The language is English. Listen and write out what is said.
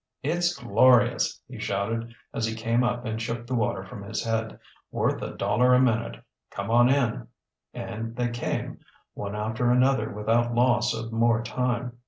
"It's glorious!" he shouted, as he came up and shook the water from his head. "Worth a dollar a minute. Come on in!" And they came, one after another, without loss of more time.